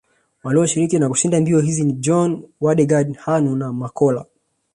Walioshiriki na kushinda mbio hizi ni Bjorn Waldegard Hannu na Mokkola